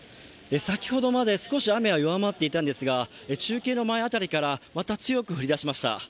先ほどまで少し雨は弱まっていたんですが中継の前辺りから、また強く降り出しました。